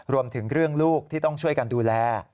รวมถึงเรื่องลูกที่ต้องช่วยกันดูแล